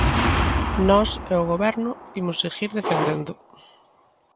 Nós e o Goberno imos seguir defendendo.